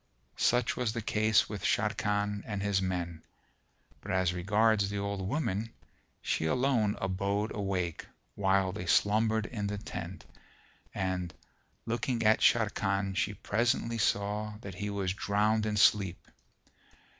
Such was the case with Sharrkan and his men; but as regards the old woman she alone abode awake while they slumbered in the tent and, looking at Sharrkan she presently saw that he was drowned in sleep.